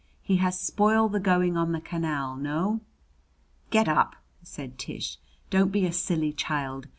He has spoil the going on the canal. No?" "Get up!" said Tish. "Don't be a silly child.